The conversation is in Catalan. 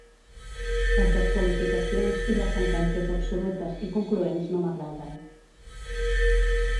Les desqualificacions i les sentències absolutes i concloents no m'agraden.